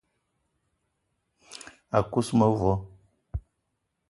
A kuz mevo